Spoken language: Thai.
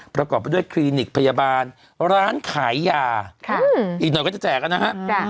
ประกอบไปด้วยคลินิกพยาบาลร้านขายยาอีกหน่อยก็จะแจกแล้วนะฮะ